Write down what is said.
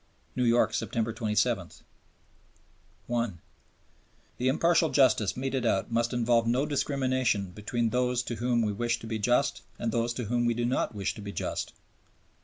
New York, September 27. (1) "The impartial justice meted out must involve no discrimination between those to whom we wish to be just and those to whom we do not wish to be just."